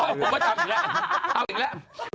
ด้วยบดดำอีนละ